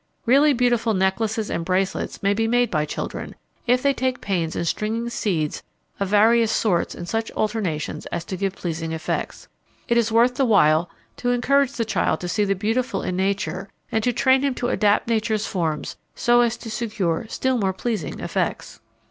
Really beautiful necklaces and bracelets may be made by children, if they take pains in stringing seeds of various sorts in such alternations as to give pleasing effects. It is worth the while to encourage the child to see the beautiful in nature and to train him to adapt nature's forms so as to secure still more pleasing effects.